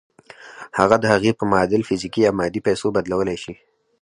هغه د هغې په معادل فزيکي يا مادي پيسو بدلولای شئ.